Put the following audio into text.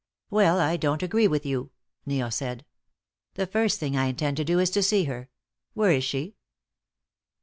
"Well, I don't agree with you," Neil said. "The first thing I intend to do is to see her. Where is she?"